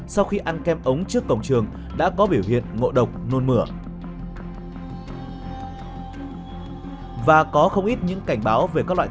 xin chào và hẹn gặp lại